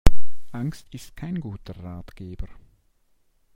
Angst ist kein guter Ratgeber.